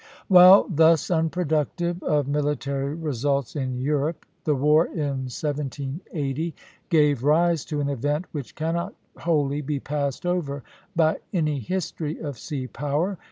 While thus unproductive of military results in Europe, the war in 1780 gave rise to an event which cannot wholly be passed over by any history of sea power.